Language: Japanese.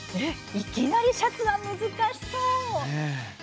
いきなりシャツは難しそう。